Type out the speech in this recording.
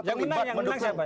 yang menang siapa